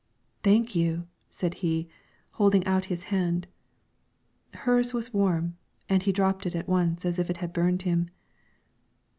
"Thank you!" said he, holding out his hand; hers was warm, and he dropped it at once as if it had burned him.